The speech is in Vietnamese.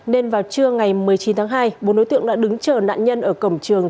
nên vào trưa ngày một mươi chín tháng hai bốn đối tượng đã đứng chờ nạn nhân ở cổng trường